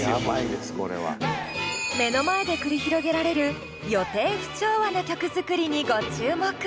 目の前で繰り広げられる予定不調和な曲作りにご注目！